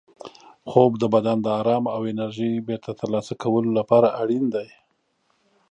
خوب د بدن د ارام او انرژۍ بېرته ترلاسه کولو لپاره اړین دی.